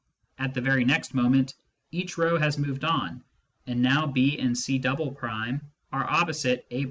At the very next moment, each row has moved on, and now B and C" are opposite A'.